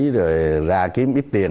rồi ra kiếm ít tiền